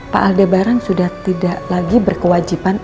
pak aldebaran sudah tidak lagi berkewajiban